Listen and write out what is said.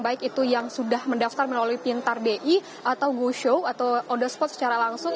baik itu yang sudah mendaftar melalui pintar bi atau w show atau on the spot secara langsung